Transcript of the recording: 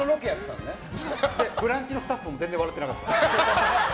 で、「ブランチ」のスタッフも全然笑ってなかった。